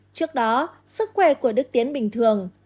trước đó sức khỏe của đức tiến bình thường